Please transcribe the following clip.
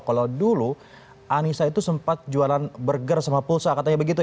kalau dulu anissa itu sempat jualan burger sama pulsa katanya begitu